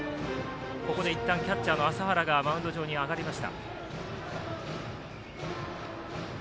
ここでいったんキャッチャーの麻原がマウンドに上がりました。